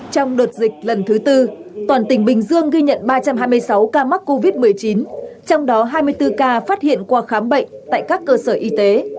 trong đợt dịch lần thứ tư toàn tỉnh bình dương ghi nhận ba trăm hai mươi sáu ca mắc covid một mươi chín trong đó hai mươi bốn ca phát hiện qua khám bệnh tại các cơ sở y tế